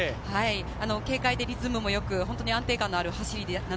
軽快でリズムも良く安定感のある走りです。